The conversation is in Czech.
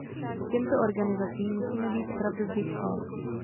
Těmto organizacím musíme být opravdu vděční.